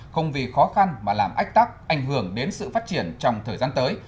không vì khó khăn mà làm ách tắc ảnh hưởng đến sự phát triển trong thời gian tới